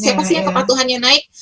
siapa sih yang kepatuhannya naik